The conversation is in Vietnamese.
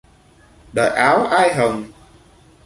Đợi áo ai hồng